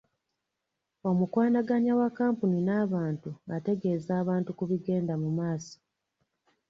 Omukwanaganya wa kkampuni n'abantu ategeeza abantu ku bigenda mu maaso.